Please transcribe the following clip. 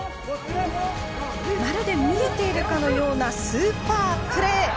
まるで見えているかのようなスーパープレー！